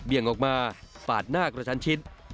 เปรียงออกมาปาดหน้ากระชันชิด